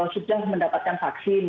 sudah mendapatkan vaksin